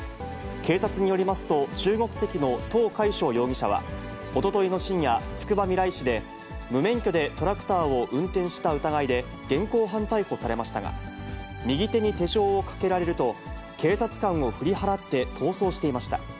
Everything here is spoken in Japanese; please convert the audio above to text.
警察によりますと、中国籍の唐恢祥容疑者は、おとといの深夜、つくばみらい市で、無免許でトラクターを運転した疑いで現行犯逮捕されましたが、右手に手錠をかけられると、警察官を振り払って逃走していました。